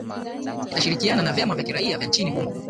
ita shirikiana na vyama vya kiraia vya nchini humo